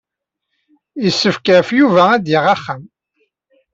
Yessefk ɣef Yuba ad yaɣ axxam.